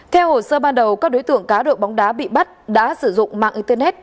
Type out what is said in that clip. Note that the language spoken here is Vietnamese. theo hồ sơ ban đầu các đối tượng cá độ bóng đá bị bắt đã sử dụng mạng internet